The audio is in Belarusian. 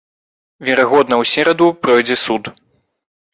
Верагодна ў сераду пройдзе суд.